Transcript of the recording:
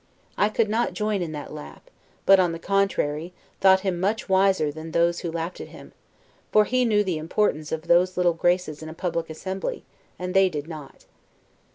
I could not join in that laugh; but, on the contrary, thought him much wiser than those who laughed at him; for he knew the importance of those little graces in a public assembly, and they did not.